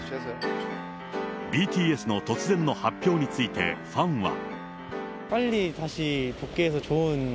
ＢＴＳの突然の発表について、ファンは。